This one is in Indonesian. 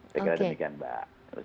saya kira demikian mbak